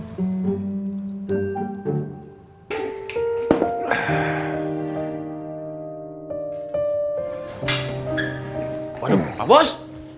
waduh pak bos